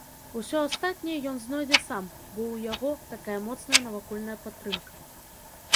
Усё астатняе ён знойдзе сам, бо ў яго такая моцная навакольная падтрымка.